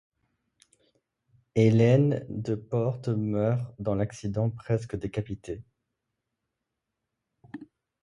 Hélène de Portes meurt dans l'accident, presque décapitée.